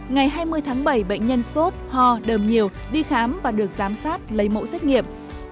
ngày hai mươi tháng bảy bệnh nhân sốt ho đờm nhiều đi khám và được giám sát lấy mẫu xét nghiệm